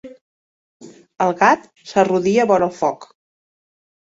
El gat s'arrodia vora el foc.